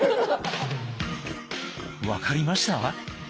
分かりました？